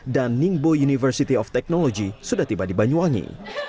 dan ningbo university of technology sudah tiba di banyuwangi